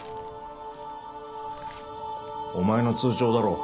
お前の通帳だろう